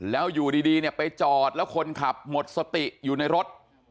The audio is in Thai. แล้วอยู่ดีเนี่ยไปจอดแล้วคนขับหมดสติอยู่ในรถ